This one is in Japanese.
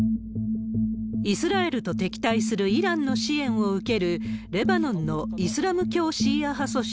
イスラエルと敵対するイランの支援を受ける、レバノンのイスラム教シーア派組織